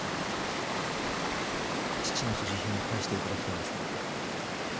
父の所持品を返して頂きたいんですが。